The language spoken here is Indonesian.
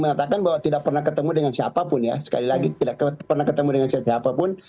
mengatakan bahwa tidak pernah ketemu dengan siapapun ya sekali lagi tidak pernah ketemu dengan siapapun